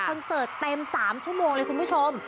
เสิร์ตเต็ม๓ชั่วโมงเลยคุณผู้ชม